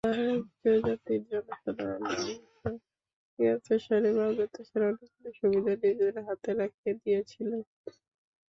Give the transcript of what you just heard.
আর্যজাতির জনসাধারণ অবশ্য জ্ঞাতসারে বা অজ্ঞাতসারে অনেকগুলি সুবিধা নিজেদের হাতে রাখিয়া দিয়াছিল।